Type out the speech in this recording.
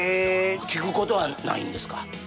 聴くことはないんですか？